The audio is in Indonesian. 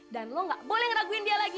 dan lo gak boleh ngeraguin dia lagi